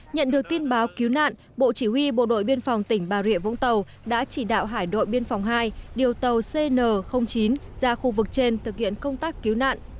nhận được tin báo cứu nạn bộ chỉ huy bộ đội biên phòng tỉnh bà rịa vũng tàu đã chỉ đạo hải đội biên phòng hai điều tàu cn chín ra khu vực trên thực hiện công tác cứu nạn